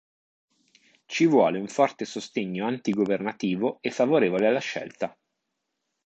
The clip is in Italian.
Ci vuole un forte sostegno anti-governativo e favorevole alla scelta.